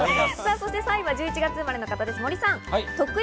３位は１１月生まれの方です。